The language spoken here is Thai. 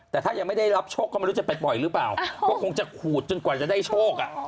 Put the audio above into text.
แต่ถ้ายังไม่ได้รับโชคก็ไม่รู้จะไปปล่อยหรือเปล่าก็คงจะขูดจนกว่าจะได้โชค